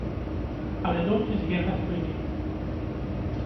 Але думкі з'ехаць былі.